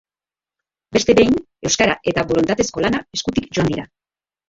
Beste behin, euskara eta borondatezko lana eskutik joan dira.